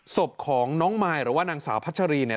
ศพของน้องมายหรือว่านางสาวพัชรีเนี่ย